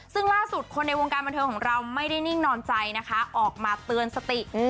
ซึ่งล่าสุดคนในวงการบันเทิงของเราไม่ได้นิ่งนอนใจนะคะออกมาเตือนสติ